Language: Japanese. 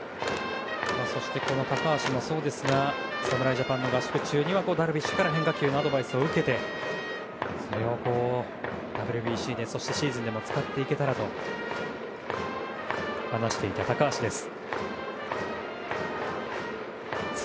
この高橋もそうですが侍ジャパンの合宿中にはダルビッシュから変化球のアドバイスを受けてそれをＷＢＣで、そしてシーズンでも使っていけたらと話していた高橋です。